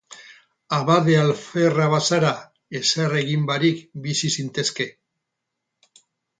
Abade alferra bazara, ezer egin barik bizi zintezke.